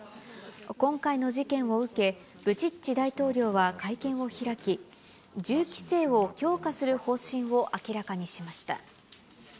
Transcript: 今回の事件を受け、ブチッチ大統領は会見を開き、銃規制を強化する方針を明らかにしました。